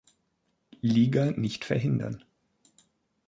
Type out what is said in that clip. Liga nicht verhindern.